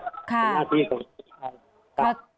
เป็นหน้าที่ของพี่สอบรับ